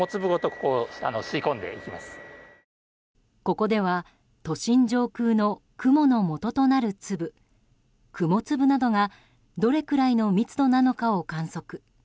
ここでは都心上空の雲のもととなる粒雲粒などがどれくらいの密度なのかを観測。